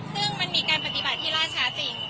ซึ่งมันมีการปฏิบัติที่ล่าช้าจริง